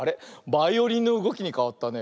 バイオリンのうごきにかわったね。